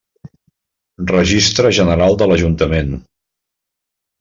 Registro General de l'Ajuntament.